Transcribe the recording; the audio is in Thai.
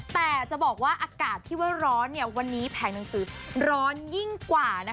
แต่จะบอกว่าอากาศที่ว่าร้อนวันนี้แผงหนังสือร้อนยิ่งกว่า